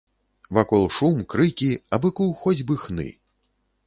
Вакол шум, крыкі, а быку хоць бы хны.